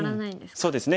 そうですね。